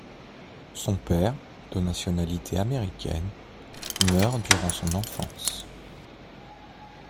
Son père, de nationalité américaine, meurt durant son enfance.